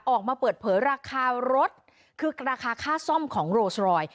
ออกมาเปิดเผยราคารถคือราคาค่าซ่อมของโรสรอยด